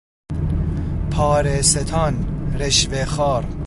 پارهستان، رشوهخوار